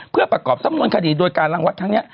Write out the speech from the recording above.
เพื่อประกอบสำนวนคดีโดยการรังวัดครั้งนี้